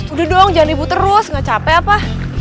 udah dong jangan ribu terus gak capek apa